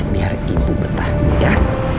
biar ibu betah ya